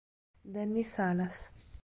Dennis Alas